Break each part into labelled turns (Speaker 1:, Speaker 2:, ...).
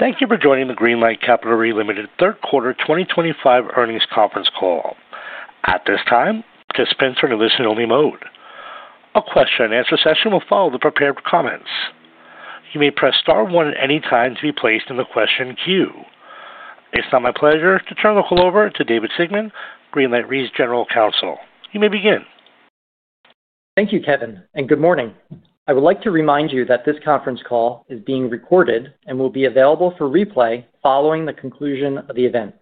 Speaker 1: Thank you for joining the Greenlight Capital Re, Limited Third Quarter 2025 earnings conference call. At this time, participants are in a listen-only mode. A question-and-answer session will follow the prepared comments. You may press star one at any time to be placed in the question queue. It's now my pleasure to turn the call over to David Sigmon, Greenlight Re General Counsel. You may begin.
Speaker 2: Thank you, Kevin, and good morning. I would like to remind you that this conference call is being recorded and will be available for replay following the conclusion of the event.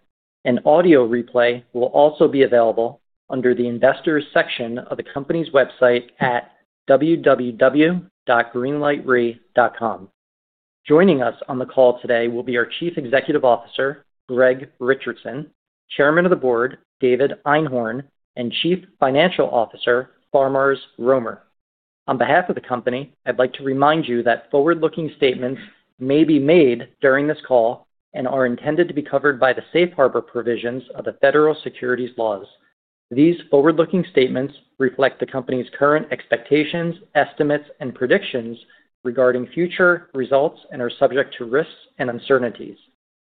Speaker 2: An audio replay will also be available under the investors' section of the company's website at www.greenlightre.com. Joining us on the call today will be our Chief Executive Officer, Greg Richardson, Chairman of the Board, David Einhorn, and Chief Financial Officer, Faramarz Romer. On behalf of the company, I'd like to remind you that forward-looking statements may be made during this call and are intended to be covered by the safe harbor provisions of the federal securities laws. These forward-looking statements reflect the company's current expectations, estimates, and predictions regarding future results and are subject to risks and uncertainties.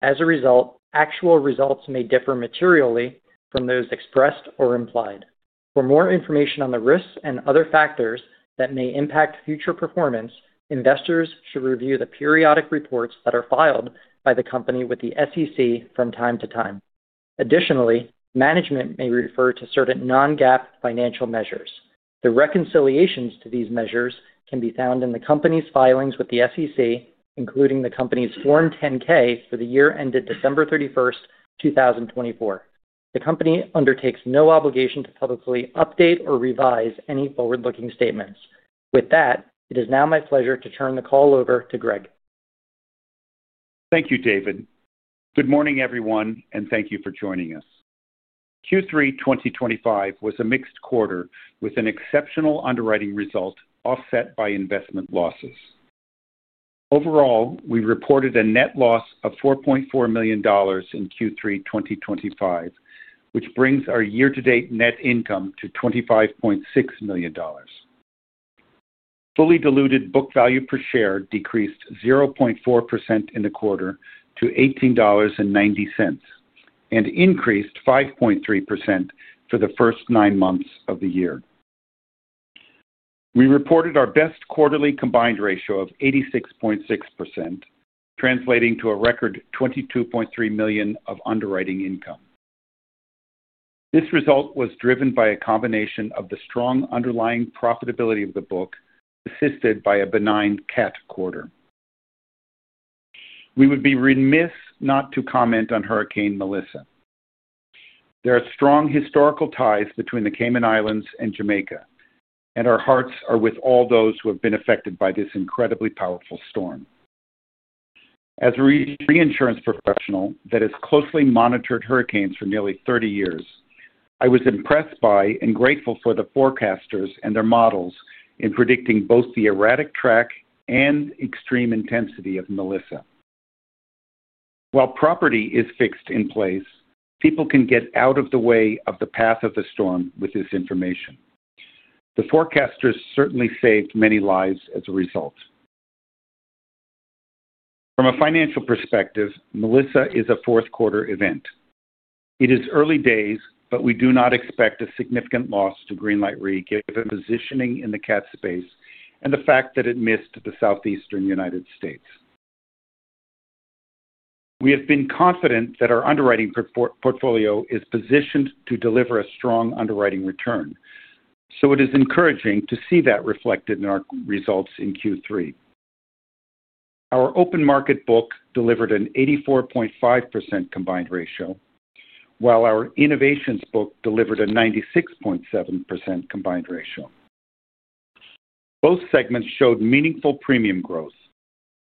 Speaker 2: As a result, actual results may differ materially from those expressed or implied. For more information on the risks and other factors that may impact future performance, investors should review the periodic reports that are filed by the company with the SEC from time to time. Additionally, management may refer to certain non-GAAP financial measures. The reconciliations to these measures can be found in the company's filings with the SEC, including the company's Form 10-K for the year ended December 31st, 2024. The company undertakes no obligation to publicly update or revise any forward-looking statements. With that, it is now my pleasure to turn the call over to Greg.
Speaker 3: Thank you, David. Good morning, everyone, and thank you for joining us. Q3 2025 was a mixed quarter with an exceptional underwriting result offset by investment losses. Overall, we reported a net loss of $4.4 million in Q3 2025, which brings our year-to-date net income to $25.6 million. Fully diluted book value per share decreased 0.4% in the quarter to $18.90, and increased 5.3% for the first nine months of the year. We reported our best quarterly combined ratio of 86.6%, translating to a record $22.3 million of underwriting income. This result was driven by a combination of the strong underlying profitability of the book, assisted by a benign cat quarter. We would be remiss not to comment on Hurricane Melissa. There are strong historical ties between the Cayman Islands and Jamaica, and our hearts are with all those who have been affected by this incredibly powerful storm. As a reinsurance professional that has closely monitored hurricanes for nearly 30 years, I was impressed by and grateful for the forecasters and their models in predicting both the erratic track and extreme intensity of Melissa. While property is fixed in place, people can get out of the way of the path of the storm with this information. The forecasters certainly saved many lives as a result. From a financial perspective, Melissa is a fourth-quarter event. It is early days, but we do not expect a significant loss to Greenlight Re given the positioning in the cat space and the fact that it missed the Southeastern United States. We have been confident that our underwriting portfolio is positioned to deliver a strong underwriting return, so it is encouraging to see that reflected in our results in Q3. Our open market book delivered an 84.5% combined ratio, while our innovations book delivered a 96.7% combined ratio. Both segments showed meaningful premium growth.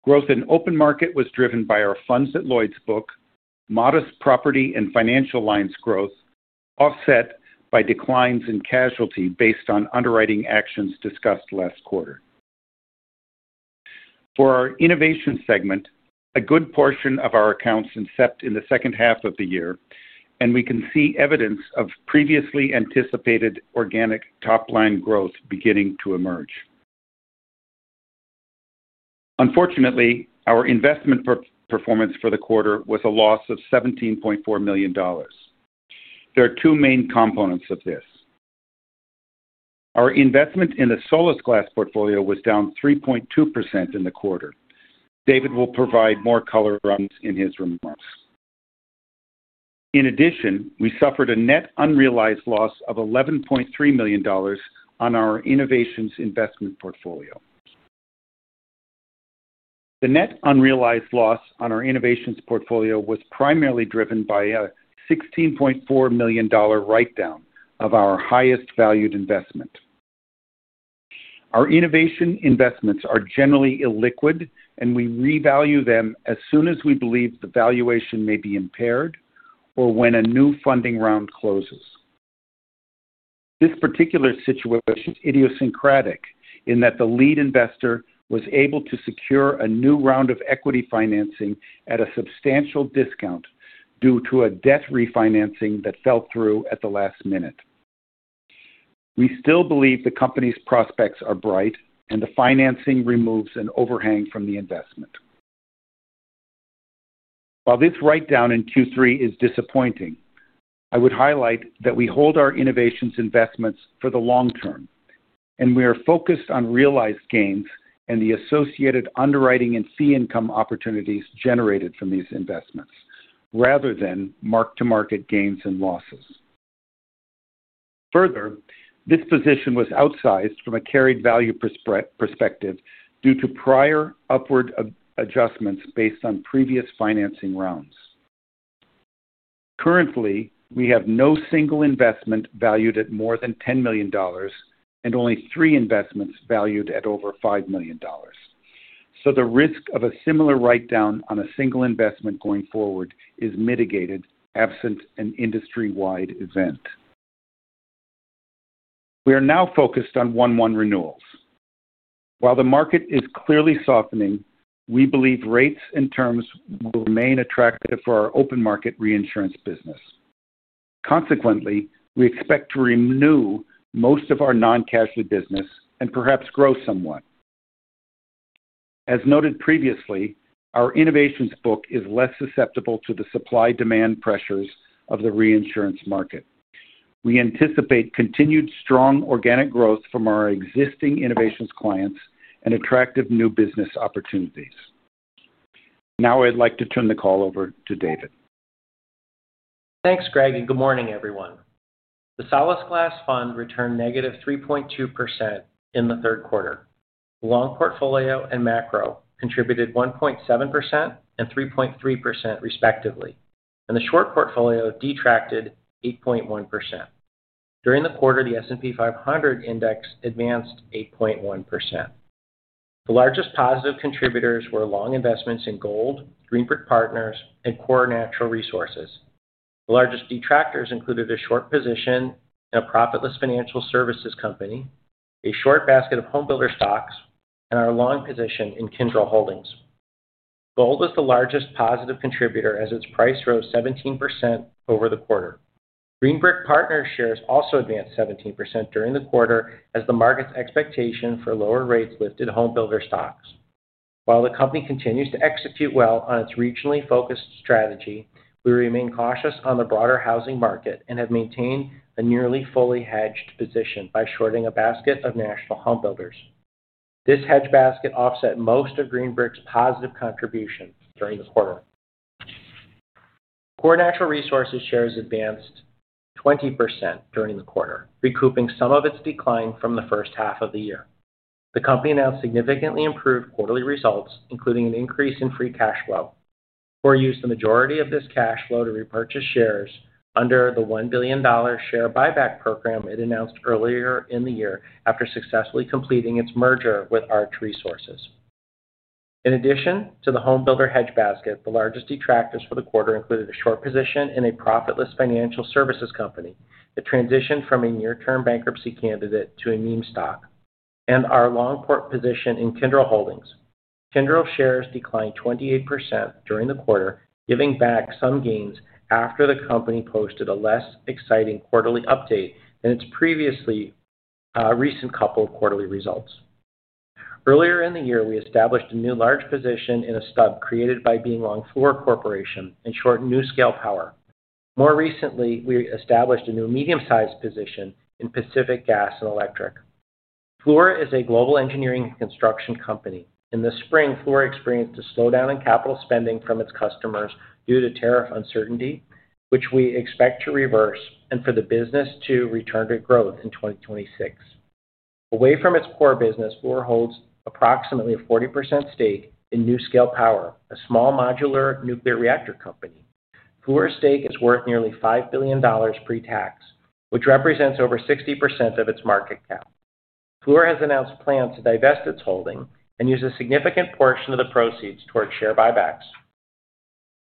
Speaker 3: Growth in open market was driven by our Funds at Lloyd's book, modest property and financial lines growth, offset by declines in casualty based on underwriting actions discussed last quarter. For our Innovations segment, a good portion of our accounts incept in the second half of the year, and we can see evidence of previously anticipated organic top-line growth beginning to emerge. Unfortunately, our investment performance for the quarter was a loss of $17.4 million. There are two main components of this. Our investment in the Solasglas portfolio was down 3.2% in the quarter. David will provide more color on this in his remarks. In addition, we suffered a net unrealized loss of $11.3 million on our Innovations Investment portfolio. The net unrealized loss on our Innovations portfolio was primarily driven by a $16.4 million write-down of our highest valued investment. Our Innovation Investments are generally illiquid, and we revalue them as soon as we believe the valuation may be impaired or when a new funding round closes. This particular situation is idiosyncratic in that the lead investor was able to secure a new round of equity financing at a substantial discount due to a debt refinancing that fell through at the last minute. We still believe the company's prospects are bright, and the financing removes an overhang from the investment. While this write-down in Q3 is disappointing, I would highlight that we hold our innovations investments for the long term, and we are focused on realized gains and the associated underwriting and fee-income opportunities generated from these investments rather than mark-to-market gains and losses. Further, this position was outsized from a carried value perspective due to prior upward adjustments based on previous financing rounds. Currently, we have no single investment valued at more than $10 million, and only three investments valued at over $5 million. So the risk of a similar write-down on a single investment going forward is mitigated absent an industry-wide event. We are now focused on one-to-one renewals. While the market is clearly softening, we believe rates and terms will remain attractive for our open market reinsurance business. Consequently, we expect to renew most of our non-cash business and perhaps grow somewhat. As noted previously, our innovations book is less susceptible to the supply-demand pressures of the reinsurance market. We anticipate continued strong organic growth from our existing innovations clients and attractive new business opportunities. Now I'd like to turn the call over to David.
Speaker 4: Thanks, Greg, and good morning, everyone. The Solasglas fund returned -3.2% in the third quarter. The long portfolio and macro contributed 1.7% and 3.3%, respectively, and the short portfolio detracted 8.1%. During the quarter, the S&P 500 Index advanced 8.1%. The largest positive contributors were long investments in gold, Green Brick Partners, and Core Natural Resources. The largest detractors included a short position in a profitless financial services company, a short basket of homebuilder stocks, and our long position in Kyndryl Holdings. Gold was the largest positive contributor as its price rose 17% over the quarter. Green Brick Partners' shares also advanced 17% during the quarter as the market's expectation for lower rates lifted homebuilder stocks. While the company continues to execute well on its regionally focused strategy, we remain cautious on the broader housing market and have maintained a nearly fully hedged position by shorting a basket of national homebuilders. This hedge basket offset most of Green Brick's positive contribution during the quarter. Core Natural Resources shares advanced 20% during the quarter, recouping some of its decline from the first half of the year. The company announced significantly improved quarterly results, including an increase in free cash flow. Core used the majority of this cash flow to repurchase shares under the $1 billion share buyback program it announced earlier in the year after successfully completing its merger with Arch Resources. In addition to the homebuilder hedge basket, the largest detractors for the quarter included a short position in a profitless financial services company that transitioned from a near-term bankruptcy candidate to a meme stock and our long position in Kyndryl Holdings. Kyndryl shares declined 28% during the quarter, giving back some gains after the company posted a less exciting quarterly update than its previous recent couple of quarterly results. Earlier in the year, we established a new large position in a stub created by being Long Fluor Corporation and shorted NuScale Power. More recently, we established a new medium-sized position in Pacific Gas and Electric. Fluor is a global engineering and construction company. In the spring, Fluor experienced a slowdown in capital spending from its customers due to tariff uncertainty, which we expect to reverse and for the business to return to growth in 2026. Away from its core business, Fluor holds approximately a 40% stake in NuScale Power, a small modular nuclear reactor company. Fluor's stake is worth nearly $5 billion pre-tax, which represents over 60% of its market cap. Fluor has announced plans to divest its holding and use a significant portion of the proceeds toward share buybacks.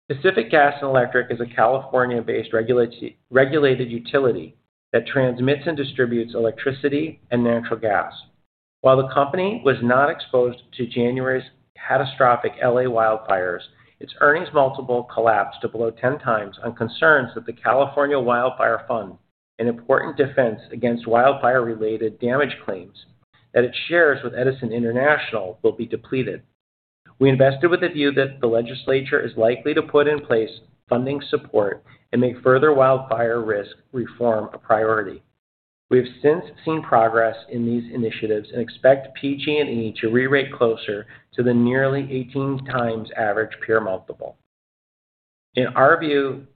Speaker 4: Pacific Gas and Electric is a California-based regulated utility that transmits and distributes electricity and natural gas. While the company was not exposed to January's catastrophic L.A. wildfires, its earnings multiple collapsed to below 10x on concerns that the California Wildfire Fund, an important defense against wildfire-related damage claims that it shares with Edison International, will be depleted. We invested with a view that the legislature is likely to put in place funding support and make further wildfire risk reform a priority. We have since seen progress in these initiatives and expect PG&E to re-rate closer to the nearly 18x average peer multiple. In our view,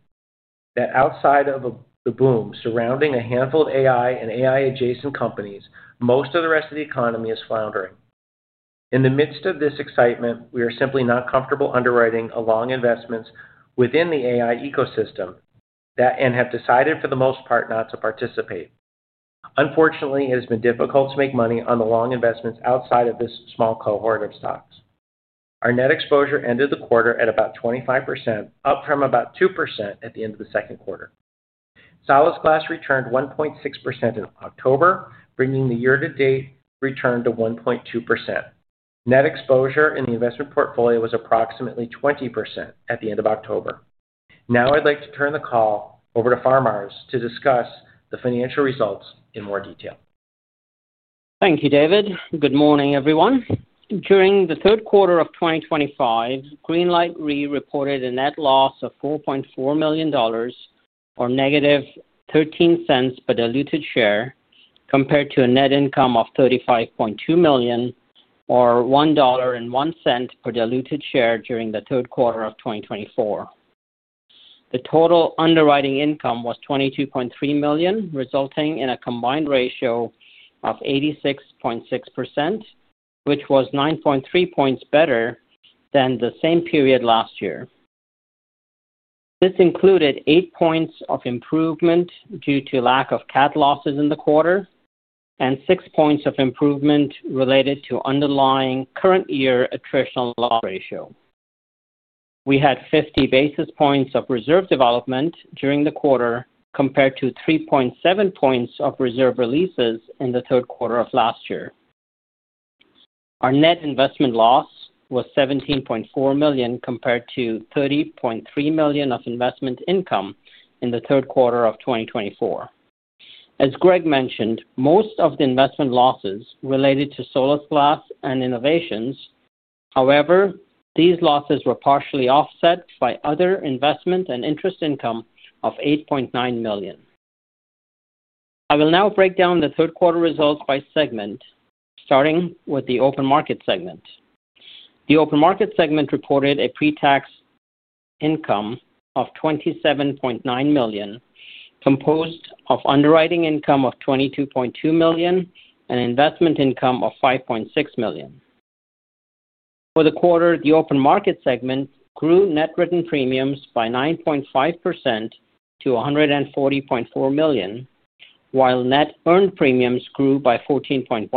Speaker 4: that outside of the boom surrounding a handful of AI and AI-adjacent companies, most of the rest of the economy is floundering. In the midst of this excitement, we are simply not comfortable underwriting long investments within the AI ecosystem and have decided for the most part not to participate. Unfortunately, it has been difficult to make money on the long investments outside of this small cohort of stocks. Our net exposure ended the quarter at about 25%, up from about 2% at the end of the second quarter. Solasglas returned 1.6% in October, bringing the year-to-date return to 1.2%. Net exposure in the investment portfolio was approximately 20% at the end of October. Now I'd like to turn the call over to Faramarz to discuss the financial results in more detail.
Speaker 5: Thank you, David. Good morning, everyone. During the third quarter of 2025, Greenlight Re reported a net loss of $4.4 million, or -$0.13 per diluted share compared to a net income of $35.2 million, or $1.01 per diluted share during the third quarter of 2024. The total underwriting income was $22.3 million, resulting in a combined ratio of 86.6%. Which was 9.3 points better than the same period last year. This included 8 points of improvement due to lack of cat losses in the quarter and 6 points of improvement related to underlying current-year attritional loss ratio. We had 50 basis points of reserve development during the quarter compared to 3.7 points of reserve releases in the third quarter of last year. Our net investment loss was $17.4 million compared to $30.3 million of investment income in the third quarter of 2024. As Greg mentioned, most of the investment losses related to Solasglas and innovations. However, these losses were partially offset by other investment and interest income of $8.9 million. I will now break down the third quarter results by segment, starting with the Open Market segment. The Open Market segment reported a pre-tax income of $27.9 million, composed of underwriting income of $22.2 million and investment income of $5.6 million. For the quarter, the Open Market segment grew net written premiums by 9.5% to $140.4 million, while net earned premiums grew by 14.1%.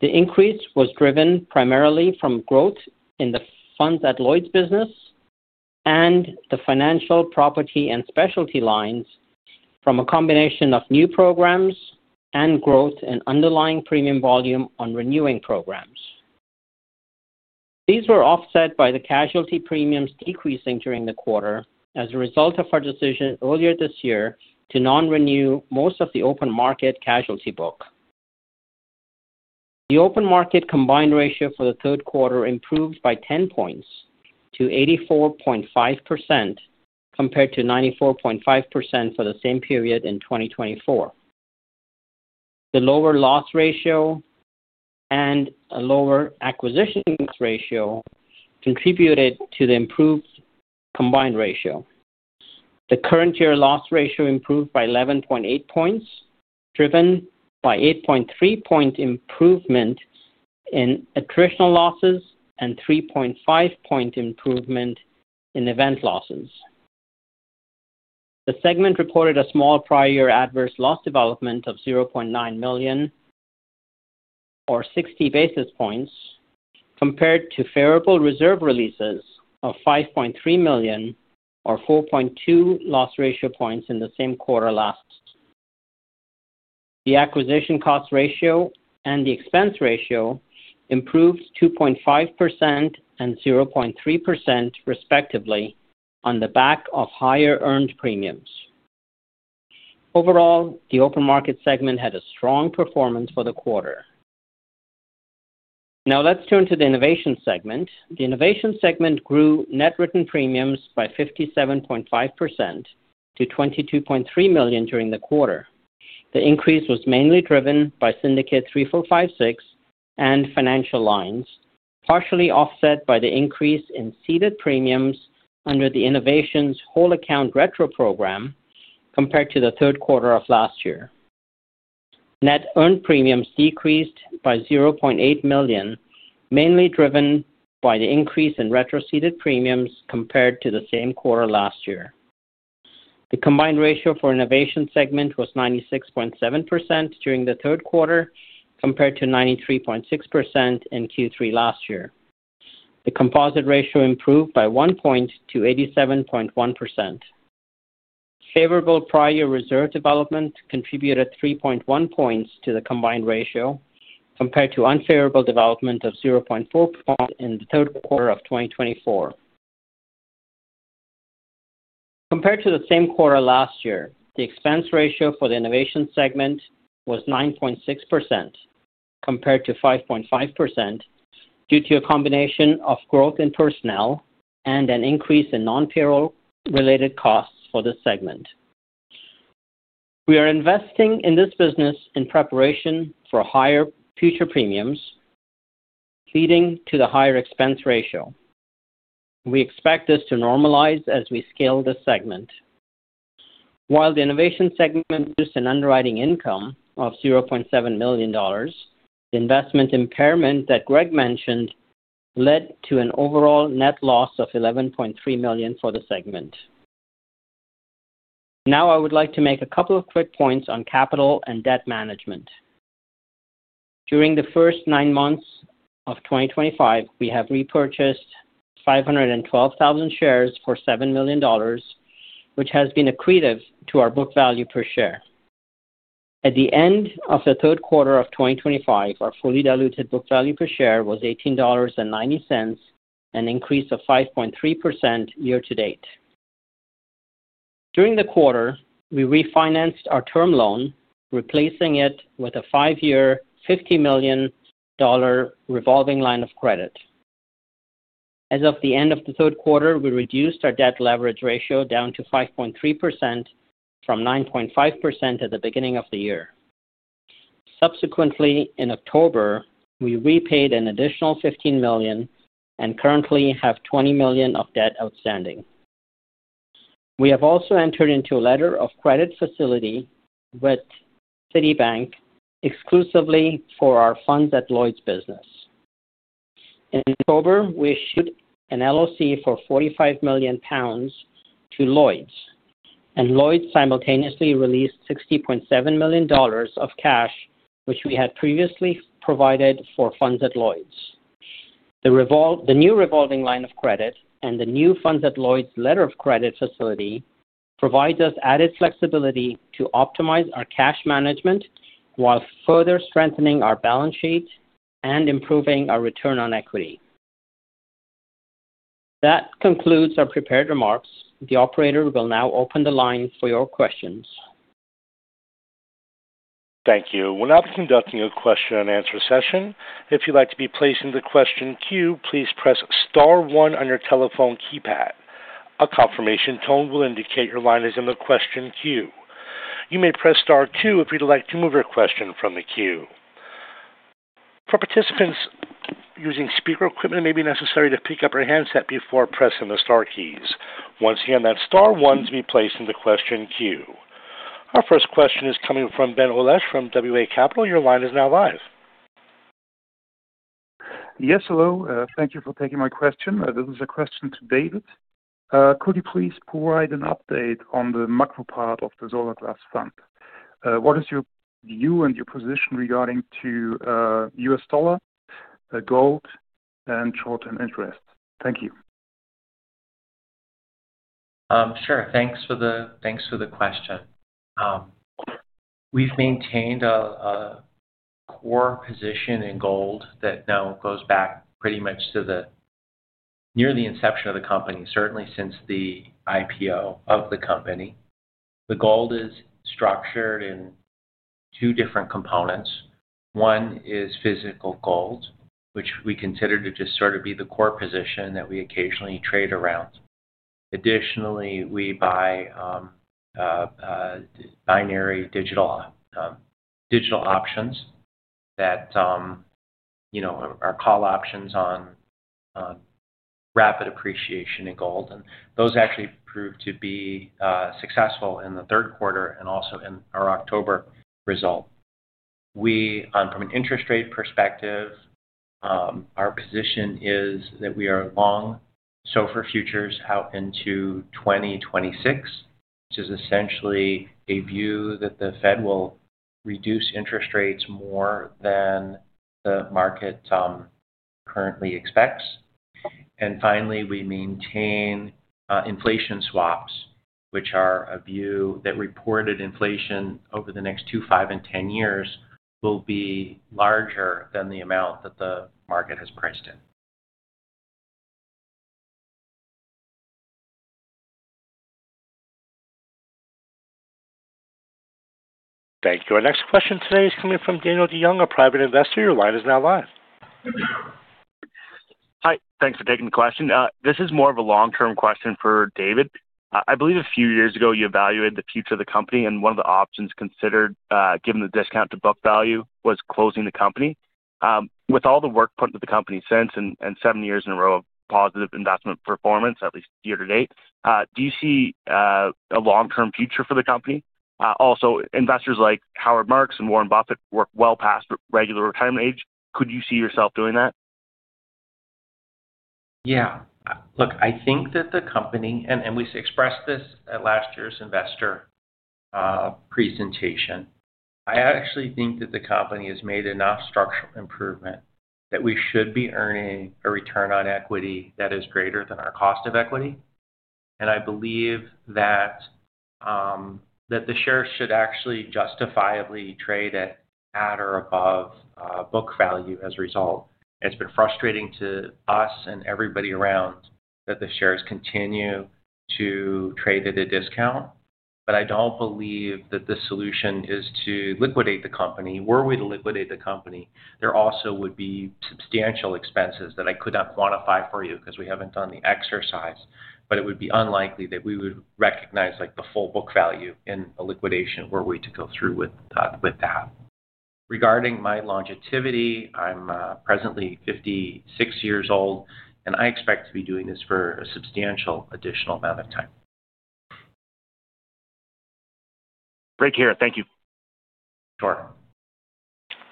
Speaker 5: The increase was driven primarily from growth in the Funds at Lloyd's business, and the financial property and specialty lines from a combination of new programs and growth in underlying premium volume on renewing programs. These were offset by the casualty premiums decreasing during the quarter as a result of our decision earlier this year to non-renew most of the open market casualty book. The Open Market combined ratio for the third quarter improved by 10 points to 84.5%, compared to 94.5% for the same period in 2024. The lower loss ratio and a lower acquisition ratio contributed to the improved combined ratio. The current-year loss ratio improved by 11.8 points, driven by 8.3-point improvement in attritional losses and 3.5-point improvement in event losses. The segment reported a small prior-year adverse loss development of $0.9 million, or 60 basis points, compared to favorable reserve releases of $5.3 million or 4.2 loss ratio points in the same quarter last year. The acquisition cost ratio and the expense ratio improved 2.5% and 0.3%, respectively, on the back of higher earned premiums. Overall, the Open Market segment had a strong performance for the quarter. Now let's turn to the Innovations segment. The Innovations segment grew net written premiums by 57.5% to $22.3 million during the quarter. The increase was mainly driven by Syndicate 3456 and Financial Lines, partially offset by the increase in seeded premiums under the innovation's whole-account retro program. Compared to the third quarter of last year. Net earned premiums decreased by $0.8 million, mainly driven by the increase in retroceded premiums compared to the same quarter last year. The combined ratio for Innovations segment was 96.7% during the third quarter, compared to 93.6% in Q3 last year. The combined ratio improved by 1 point to 87.1%. Favorable prior reserve development contributed 3.1 points to the combined ratio compared to unfavorable development of 0.4 points in the third quarter of 2024. Compared to the same quarter last year, the expense ratio for the Innovations segment was 9.6%. Compared to 5.5%. Due to a combination of growth in personnel and an increase in non-payroll-related costs for this segment. We are investing in this business in preparation for higher future premiums. Leading to the higher expense ratio. We expect this to normalize as we scale this segment. While the Innovations segment produced an underwriting income of $0.7 million, the investment impairment that Greg mentioned led to an overall net loss of $11.3 million for the segment. Now I would like to make a couple of quick points on capital and debt management. During the first nine months of 2025, we have repurchased 512,000 shares for $7 million. Which has been accretive to our book value per share. At the end of the third quarter of 2025, our fully diluted book value per share was $18.90, an increase of 5.3% year-to-date. During the quarter, we refinanced our term loan, replacing it with a five-year $50 million revolving line of credit. As of the end of the third quarter, we reduced our debt leverage ratio down to 5.3% from 9.5% at the beginning of the year. Subsequently, in October, we repaid an additional $15 million and currently have $20 million of debt outstanding. We have also entered into a letter of credit facility with Citibank exclusively for our Funds at Lloyd's business. In October, we issued an LLC for 45 million pounds to Lloyd's, and Lloyd's simultaneously released $60.7 million of cash, which we had previously provided for Funds at Lloyd's. The new revolving line of credit and the new Funds at Lloyd's letter of credit facility provide us added flexibility to optimize our cash management while further strengthening our balance sheet and improving our return on equity. That concludes our prepared remarks. The operator will now open the line for your questions.
Speaker 1: Thank you. We're now conducting a question-and-answer session. If you'd like to be placed in the question queue, please press star one on your telephone keypad. A confirmation tone will indicate your line is in the question queue. You may press star two if you'd like to move your question from the queue. For participants using speaker equipment, it may be necessary to pick up your handset before pressing the star keys. Once again, that star one is to be placed in the question queue. Our first question is coming from Ben Olesh from WA Capital. Your line is now live.
Speaker 6: Yes, hello. Thank you for taking my question. This is a question to David. Could you please provide an update on the macro part of the Solasglas fund? What is your view and your position regarding U.S. dollar, gold, and short-term interest? Thank you.
Speaker 4: Sure. Thanks for the question. We've maintained a core position in gold that now goes back pretty much to near the inception of the company, certainly since the IPO of the company. The gold is structured in two different components. One is physical gold, which we consider to just sort of be the core position that we occasionally trade around. Additionally, we buy binary digital options that are call options on rapid appreciation in gold. And those actually proved to be successful in the third quarter and also in our October result. From an interest rate perspective, our position is that we are long SOFR futures out into 2026, which is essentially a view that the Fed will reduce interest rates more than the market currently expects. And finally, we maintain inflation swaps, which are a view that reported inflation over the next two, five, and ten years will be larger than the amount that the market has priced in.
Speaker 1: Thank you. Our next question today is coming from Daniel DeYoung, a private investor. Your line is now live. Hi. Thanks for taking the question. This is more of a long-term question for David. I believe a few years ago, you evaluated the future of the company, and one of the options considered, given the discount to book value, was closing the company. With all the work put into the company since and seven years in a row of positive investment performance, at least year-to-date, do you see a long-term future for the company? Also, investors like Howard Marks and Warren Buffett work well past regular retirement age. Could you see yourself doing that?
Speaker 4: Yeah. Look, I think that the company and we expressed this at last year's investor presentation. I actually think that the company has made enough structural improvement that we should be earning a return on equity that is greater than our cost of equity. And I believe that. The shares should actually justifiably trade at or above book value as a result. It's been frustrating to us and everybody around that the shares continue to trade at a discount. But I don't believe that the solution is to liquidate the company. Were we to liquidate the company, there also would be substantial expenses that I could not quantify for you because we haven't done the exercise. But it would be unlikely that we would recognize the full book value in a liquidation were we to go through with that. Regarding my longevity, I'm presently 56 years old, and I expect to be doing this for a substantial additional amount of time. Great to hear. Thank you. Sure.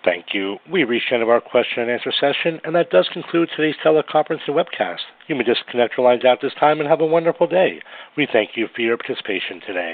Speaker 1: Thank you. We reached the end of our question-and-answer session, and that does conclude today's teleconference and webcast. You may just disconnect your lines at this time and have a wonderful day. We thank you for your participation today.